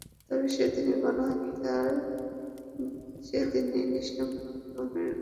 তবেই সেদিনের গণহত্যার, সেদিনের নৃশংস আক্রমণের সমুচিত জবাব দেওয়া সম্ভবপর হবে।